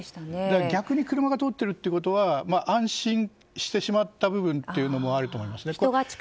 逆に車が通っていることで安心してしまった部分もあると思いますね。